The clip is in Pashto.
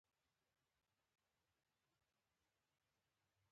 د لوستونکو د پوره فهم وړ وګرځي.